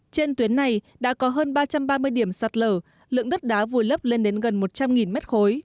trên tuyến này đã có hơn ba trăm ba mươi điểm sạt lở lượng đất đá vùi lấp lên đến gần một trăm linh m ba